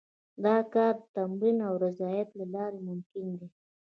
دا کار د تمرین او ریاضت له لارې ممکن دی